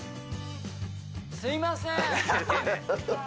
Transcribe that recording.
すみません。